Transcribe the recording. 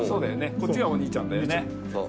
こっちがお兄ちゃんだよね。